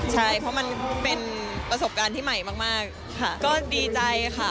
ใช่เพราะมันเป็นประสบการณ์ที่ใหม่มากค่ะก็ดีใจค่ะ